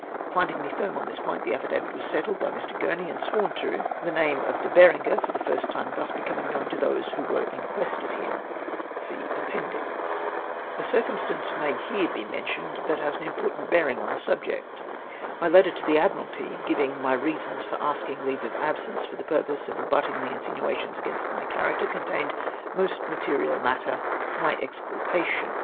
Finding me firm on this point, the affidavit was settled by Mr. Gurney, and sworn to, the name of De Berenger for the first time thus becoming known to those who were in quest of liim. (See Appendix.) 334 I RETURN TO TOWN' IX CONSEQUENCE. A circumstance may here be mentioned wliicli lias an important bearing on tlie subject. My letter to tlie Admiralty, giving my reasons for asking leave of absence for the purpose of rebutting the insinuations against my character, contained most material matter for my exculpation.